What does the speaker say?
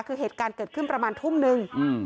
คือเหตุการณ์เกิดขึ้นประมาณทุ่มนึง